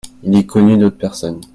Il est connu d'autres personnes.